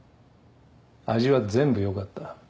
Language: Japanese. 味は全部良かった